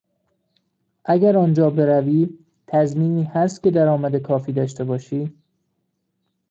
اگر آنجا بروی، تضمینی هست که درآمد کافی داشته باشی؟